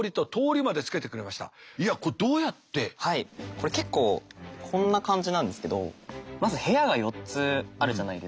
これ結構こんな感じなんですけどまず部屋が４つあるじゃないですか。